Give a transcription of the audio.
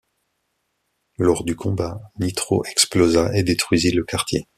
Lors du combat, Nitro explosa et détruisit le quartier.